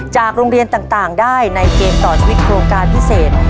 จากโรงเรียนต่างได้ในเกมต่อชีวิตโครงการพิเศษ